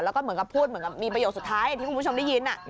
แล้วก็พูดเหมือนมีประโยชน์สุดท้ายที่คุณผู้ชมได้ยิน